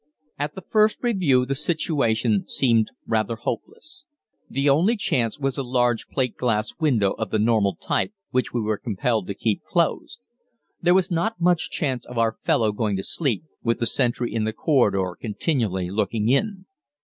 At the first review the situation seemed rather hopeless. The only chance was a large plate glass window of the normal type, which we were compelled to keep closed. There was not much chance of our fellow going to sleep, with the sentry in the corridor continually looking in.